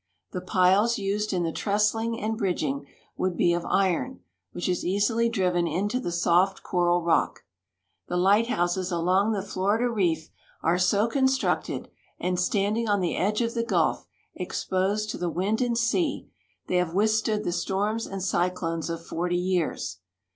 The piles used in the trestling and bridging would be of iron, which is easily driven into the soft coral rock. The lighthouses along the Florida reef are so constructed, and, stand ing on the edge of the gulf, exposed to the wind and sea, they have withstood the storms and cyclones of forty years.